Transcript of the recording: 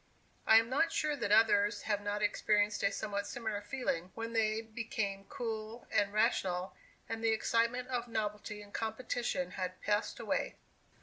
I am not sure that others have not experienced a somewhat similar feeling, when they became cool and rational, and the excitement of novelty and competition had passed away.